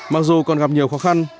mặc dù còn gặp nhiều khó khăn